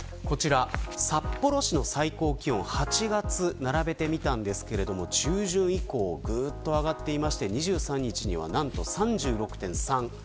札幌市の最高気温８月並べてみたんですが中旬以降ぐっと上がっていまして２３日には３６．３度。